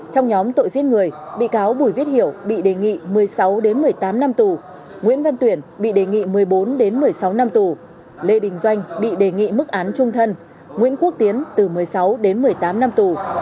trong nhóm tội giết người bị cáo bùi viết hiểu bị đề nghị một mươi sáu một mươi tám năm tù nguyễn văn tuyển bị đề nghị một mươi bốn một mươi sáu năm tù lê đình doanh bị đề nghị mức án trung thân nguyễn quốc tiến từ một mươi sáu đến một mươi tám năm tù